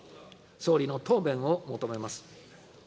総理の答弁を求めます。